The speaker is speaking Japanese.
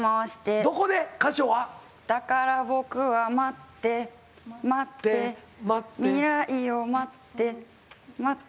「だから僕は待って待って」「未来を待って待って」